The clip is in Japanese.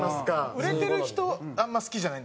売れてる人あんまり好きじゃないんだよね。